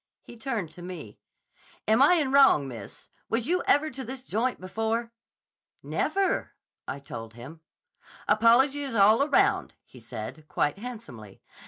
He turned to me. 'Am I in wrong, miss? Was you ever to this joint before?' 'Never,' I told him. 'Apologies all round,' he said, quite handsomely.